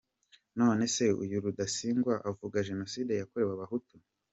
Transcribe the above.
None se, uyu ni Rudasingwa uvuga Jenoside yakorewe Abahutu ?